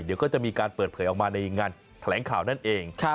เดี๋ยวก็จะมีการเปิดเผยออกมาในงานแถลงข่าวนั่นเอง